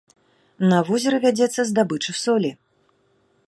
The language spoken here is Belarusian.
На возеры вядзецца здабыча солі.